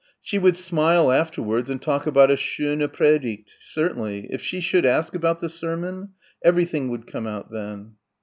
She would smile afterwards and talk about a "schöne Predigt" certainly.... If she should ask about the sermon? Everything would come out then.